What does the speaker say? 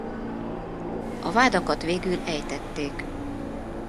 A vádakat végül ejtették.